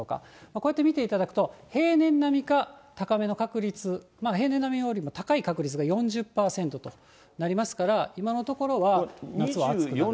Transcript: こうやって見ていただくと、平年並みか高めの確率、平年並みよりも高い確率が４０％となりますから、今のところは夏は暑くなる。